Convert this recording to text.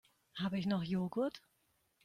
Habe ich noch Joghurt?